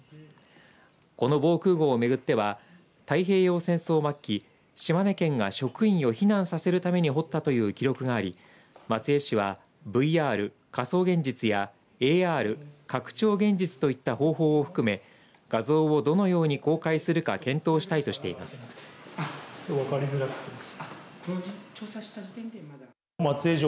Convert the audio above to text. この防空ごうをめぐっては太平洋戦争末期島根県が職員を避難させるために掘ったという記録があり松江市はＶＲ仮想現実やＡＲ、拡張現実といった方法を含め画像をどのように公開するか検討したいとしています。